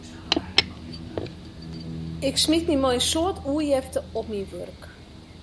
Ik smiet my mei in soad oerjefte op myn wurk.